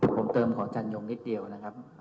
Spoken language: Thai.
ผมเติมของจันยงนิดเดียวนะครับ